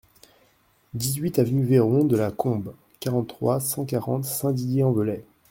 dix-huit avenue Veron de la Combe, quarante-trois, cent quarante, Saint-Didier-en-Velay